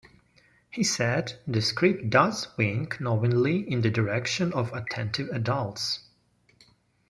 He said, "The script does wink knowingly in the direction of attentive adults".